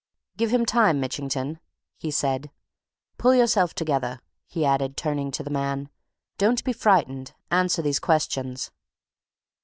"Give him time, Mitchington," he said. "Pull yourself together," he added, turning to the man. "Don't be frightened; answer these questions!"